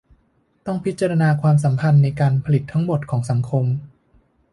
ต้องพิจารณาความสัมพันธ์ในการผลิตทั้งหมดของสังคม